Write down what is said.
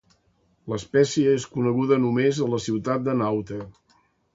L'espècie és coneguda només a la ciutat de Nauta.